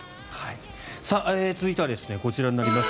続いてはこちらになります。